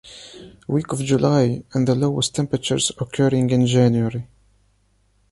Week of July and the lowest temperatures occurring in January.